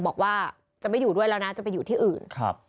บอกว่าจะไม่อยู่ด้วยแล้วนะจะไปอยู่ที่อื่น